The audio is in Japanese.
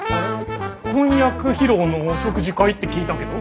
婚約披露のお食事会って聞いたけど。